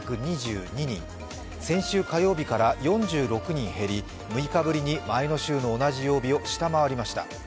先週火曜日から４６人減り６日ぶりに前の週の同じ曜日を下回りました。